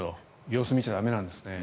様子見ちゃ駄目なんですね。